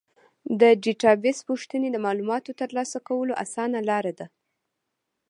د ډیټابیس پوښتنې د معلوماتو ترلاسه کولو اسانه لاره ده.